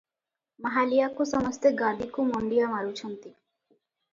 ମାହାଳିଆକୁ ସମସ୍ତେ ଗାଦିକୁ ମୁଣ୍ତିଆ ମାରୁଛନ୍ତି?